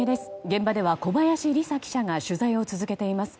現場では小林里咲記者が取材を続けています。